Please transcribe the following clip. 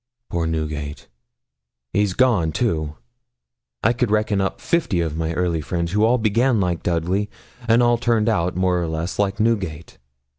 Poor Newgate, he's gone, too! I could reckon up fifty of my early friends who all began like Dudley, and all turned out, more or less, like Newgate.'